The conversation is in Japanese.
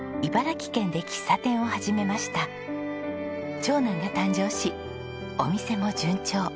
長男が誕生しお店も順調。